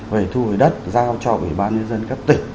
về thu hồi đất giao cho ủy ban nhân dân các tỉnh